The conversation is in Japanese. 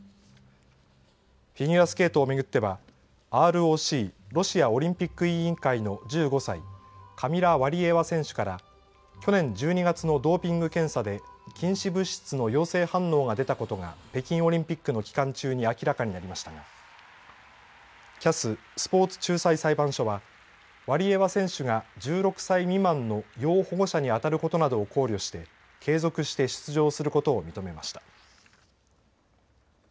フィギュアスケートを巡ってはＲＯＣ＝ロシアオリンピック委員会の１５歳カミラ・ワリエワ選手から去年１２月のドーピング検査で禁止物質の陽性反応が出たことが北京オリンピックの期間中に明らかになりましたがＣＡＳ＝スポーツ仲裁裁判所はワリエワ選手が１６歳未満の要保護者に当たることなどを考慮して継続して出場することを認めました。